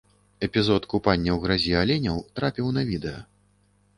Эпізод купання ў гразі аленяў трапіў на відэа.